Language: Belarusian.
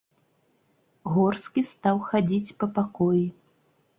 Горскі стаў хадзіць па пакоі.